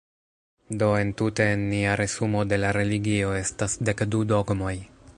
Do, entute, en nia resumo de la religio, estas dek du dogmoj.